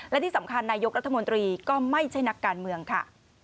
และที่สำคัญนายกรัฐมนตรีก็ไม่ใช่นักการเมืองค่ะ